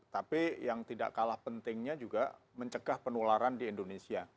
tapi yang tidak kalah pentingnya juga mencegah penularan di indonesia